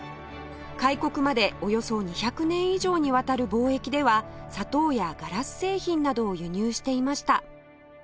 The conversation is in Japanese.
開国までおよそ２００年以上にわたる貿易では砂糖やガラス製品などを輸入していました